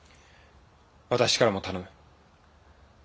私からも頼む。